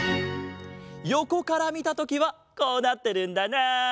よこからみたときはこうなってるんだなあ。